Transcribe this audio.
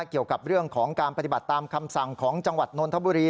เกี่ยวกับเรื่องของการปฏิบัติตามคำสั่งของจังหวัดนนทบุรี